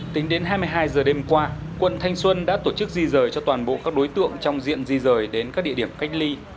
tính đến hai mươi hai giờ đêm qua quận thanh xuân đã tổ chức di rời cho toàn bộ các đối tượng trong diện di rời đến các địa điểm cách ly